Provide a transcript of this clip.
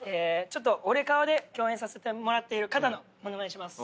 ちょっと『俺かわ』で共演させてもらっている方のモノマネします。